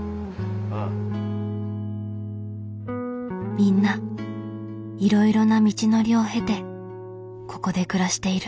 みんないろいろな道のりを経てここで暮らしている。